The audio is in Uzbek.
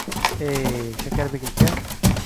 E-yyy, Shakarbek aka